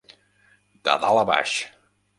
De dalt a baix.